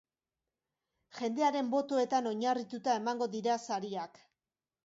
Jendearen botoetan oinarrituta emango dira sariak.